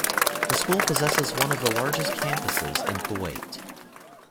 The school possesses one of the largest campuses in Kuwait.